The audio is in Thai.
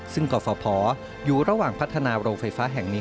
ซึ่งกรฟภอยู่ระหว่างพัฒนาโรงไฟฟ้าแห่งนี้